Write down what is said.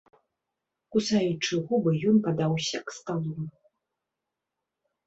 Кусаючы губы, ён падаўся к сталу.